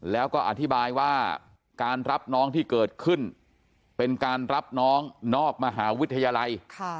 แล้วก็อธิบายว่าการรับน้องที่เกิดขึ้นเป็นการรับน้องนอกมหาวิทยาลัย